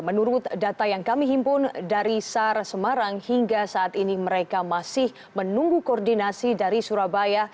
menurut data yang kami himpun dari sar semarang hingga saat ini mereka masih menunggu koordinasi dari surabaya